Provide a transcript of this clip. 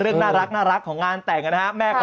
โอ้โหโอ้โห